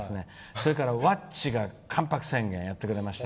それからｗａｃｃｉが「関白宣言」をやってくれました。